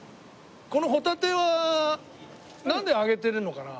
このホタテはなんで揚げてるのかな？